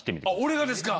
俺がですか？